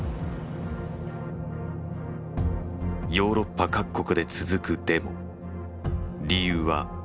ヨーロッパ各国で続くデモ。